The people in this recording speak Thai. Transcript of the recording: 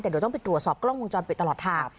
แต่เดี๋ยวต้องปิดตรวจสอบก็ต้องควงจรปิดตลอดค่ะ